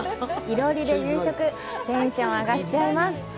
囲炉裏で夕食、テンション上がっちゃいます！